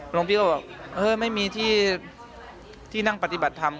หลวงพี่ก็บอกไม่มีที่นั่งปฏิบัติทำ